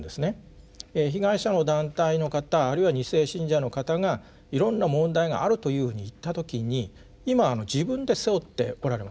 被害者の団体の方あるいは二世信者の方がいろんな問題があるというふうにいった時に今自分で背負っておられます。